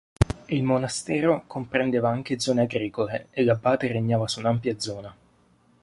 Il monastero comprendeva anche zone agricole, e l'abate regnava su un'ampia zona.